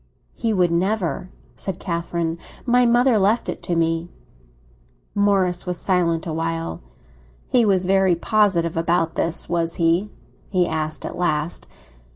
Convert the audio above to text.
"He would never," said Catherine. "My mother left it to me." Morris was silent a while. "He was very positive about this, was he?" he asked at last.